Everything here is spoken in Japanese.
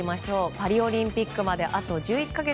パリオリンピックまであと１１か月。